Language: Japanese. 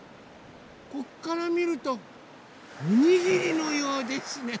こっからみるとおにぎりのようですね。